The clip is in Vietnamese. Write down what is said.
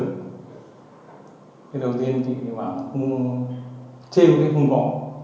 thì đầu tiên chị bảo không chê với không bỏ